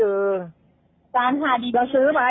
ผู้ว่ารังหาดีสิ่งไว้ซึ้งหน่อย